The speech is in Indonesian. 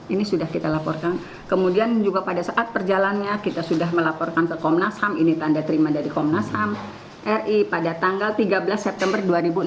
ini sudah kita laporkan kemudian juga pada saat perjalannya kita sudah melaporkan ke komnas ham ini tanda terima dari komnas ham ri pada tanggal tiga belas september dua ribu enam belas